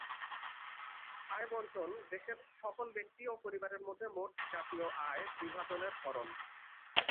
আয়বণ্টন দেশের সকল ব্যক্তি ও পরিবারের মধ্যে মোট জাতীয় আয় বিভাজনের ধরন।